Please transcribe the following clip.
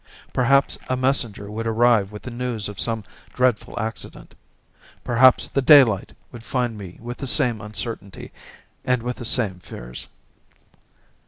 Perhaps a messenger would arrive with the news of some dreadful accident. Perhaps the daylight would find me with the same uncertainty and with the same fears.